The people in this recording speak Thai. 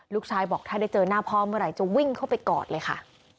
ลูกชายบอกถ้าได้เจอหน้าพ่อเมื่อไหร่จะวิ่งเข้าไปกอดเลยค่ะ